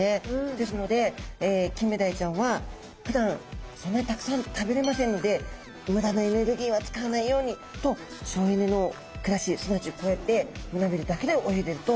ですのでキンメダイちゃんはふだんそんなにたくさん食べれませんので無駄なエネルギーは使わないようにと省エネの暮らしすなわちこうやって胸びれだけで泳いでると考えられてるんですね。